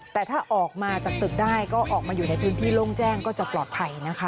แต่ถ้าออกมาจากตึกได้ก็ออกมาอยู่ในพื้นที่โล่งแจ้งก็จะปลอดภัยนะคะ